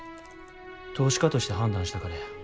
投資家として判断したからや。